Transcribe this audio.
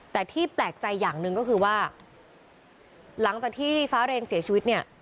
แต่ที่แปลกใจอย่างหนึ่งก็คือว่าหลังจากที่ฟ้าเรงเสียชีวิตเนี่ย